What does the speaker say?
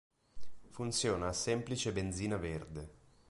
Funziona a semplice benzina verde.